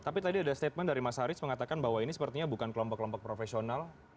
tapi tadi ada statement dari mas haris mengatakan bahwa ini sepertinya bukan kelompok kelompok profesional